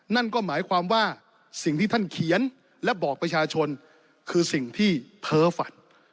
นั่นก็หมายความว่าสิ่งที่ท่านเขียนและบอกประชาชนคือสิ่งที่เพ้อฝัน